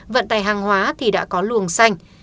vận tài hàng hóa thì đã có luồng xanh